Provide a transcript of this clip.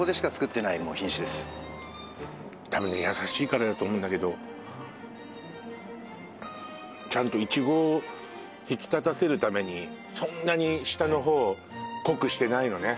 そうなんだたぶんね優しいからだと思うんだけどちゃんとイチゴを引き立たせるためにそんなに下の方濃くしてないのね